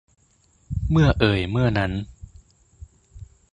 เมื่อเอยเมื่อนั้น